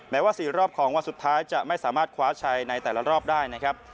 ว่า๔รอบของวันสุดท้ายจะไม่สามารถคว้าชัยในแต่ละรอบได้นะครับ